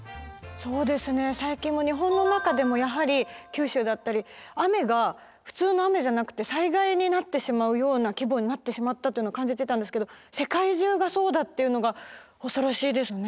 そうですね最近も日本の中でもやはり九州だったり雨が普通の雨じゃなくて災害になってしまうような規模になってしまったというのは感じてたんですけど世界中がそうだっていうのが恐ろしいですね。